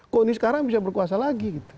kok ini sekarang bisa berkuasa lagi gitu